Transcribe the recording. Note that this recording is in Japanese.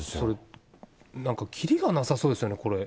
なんかきりがなさそうですよね、これ。